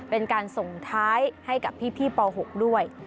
เป็นการส่งท้ายให้กับพี่ป๖ด้วย